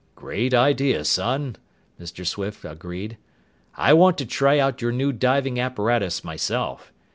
"Great idea, son," Mr. Swift agreed. "I want to try out your new diving apparatus myself.